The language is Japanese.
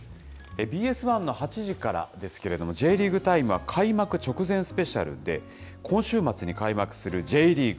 ＢＳ１の８時からですけれども、Ｊリーグタイムは、開幕直前スペシャルで、今週末に開幕するＪリーグ。